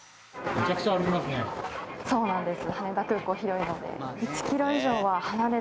そうなんです。